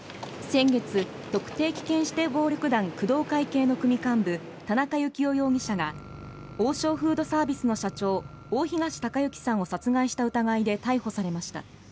先月、特定危険指定暴力団工藤会系の組幹部田中幸雄容疑者が王将フードサービスの社長大東隆行さんを殺害した疑いで逮捕されました。